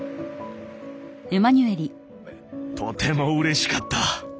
とてもうれしかった。